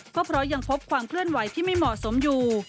ก็เพราะยังพบความเคลื่อนไหวที่ไม่เหมาะสมอยู่